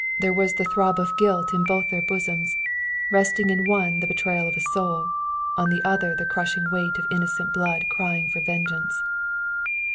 There was the throb of guilt in both their bosoms, resting in one the betrayal of a soul, on the other the crushing weight of innocent blood crying for vengeance.